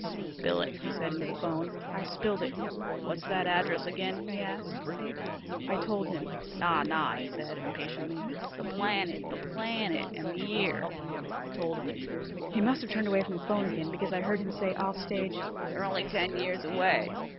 "Spill it," he said into the 'phone. I spilled it. "What's that address again?" he asked. I told him. "Naw, naw," he said impatiently. "The planet. The planet. And the year." I told him. He must have turned away from the 'phone again, because I heard him say off stage, "They're only ten years away."